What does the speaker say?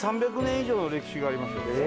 １３００年以上の歴史がありますよ。